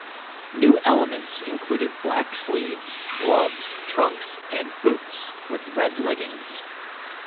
New elements included black sleeves, gloves, trunks and boots with red leggings.